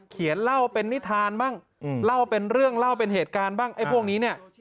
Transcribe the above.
เขียนเล่าเป็นนิทานบ้างเล่าเป็นเรื่องเล่าเป็นเหตุการณ์บ้างไอ้พวกนี้เนี่ย